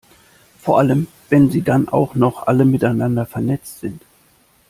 Vor allem, wenn sie dann auch noch alle miteinander vernetzt sind.